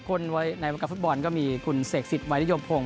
คนในวักษณ์ฟุตบอลก็มีคุณเสกศิษย์วัยนโยมพงศ์